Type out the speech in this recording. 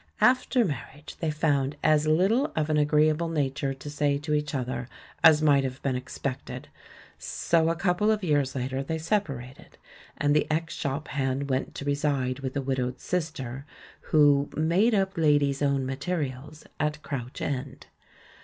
After mar'^ riage they found as little of an agreeable nature to say to each other as might have been expected, so a couple of j^ears later they separated, and the ex shop hand went to reside with a widowed sis ter, who "made up ladies' own materials" at Crouch End.